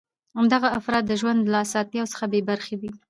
دغه افراد د ژوند له اسانتیاوو څخه بې برخې دي.